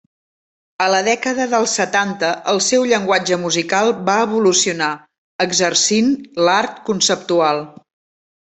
A la dècada dels setanta el seu llenguatge musical va evolucionar, exercint l'Art conceptual.